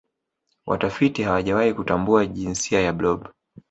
watafiti hawajawahi kutambua jinsia ya blob